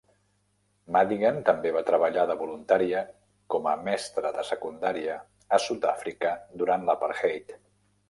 Madigan també va treballar de voluntària com a mestra de secundària a Sud-àfrica durant l'apartheid.